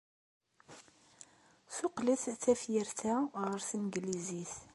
Ssuqlet tafyirt-a ɣer tneglizit.